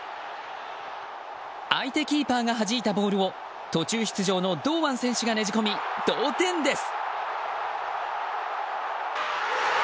相手キーパーがはじいたボールを途中出場の堂安選手がねじ込み同点です。